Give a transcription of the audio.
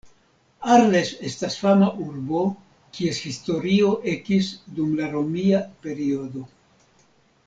Arles estas fama urbo, kies historio ekis dum la Romia periodo.